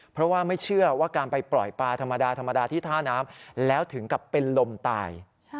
เพราะว่าไม่เชื่อว่าการไปปล่อยปลาธรรมดาธรรมดาที่ท่าน้ำแล้วถึงกับเป็นลมตาย